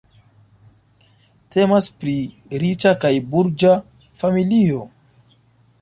Temas pri riĉa kaj burĝa familio.